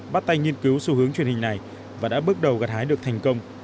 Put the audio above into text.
bắt tay nghiên cứu xu hướng truyền hình này và đã bước đầu gặt hái được thành công